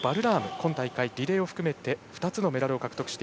今大会リレーを含めて２つのメダル。